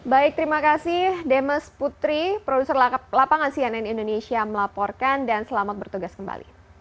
baik terima kasih demes putri produser lapangan cnn indonesia melaporkan dan selamat bertugas kembali